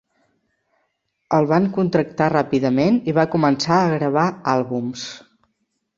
El van contractar ràpidament i va començar a gravar àlbums.